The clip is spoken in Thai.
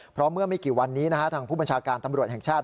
เพราะเมื่อไม่กี่วันนี้ทางผู้บัญชาการตำรวจแห่งชาติ